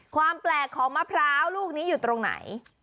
ความแดกขอมะพร้าวนอนี่อยู่ตรงไหน